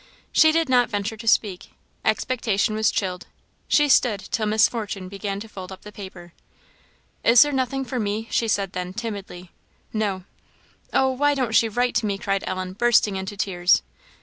She did not venture to speak expectation was chilled. She stood till Miss Fortune began to fold up the paper. "Is there nothing for me?" she said then, timidly. "No." "Oh! why don't she write to me?" cried Ellen, bursting into tears.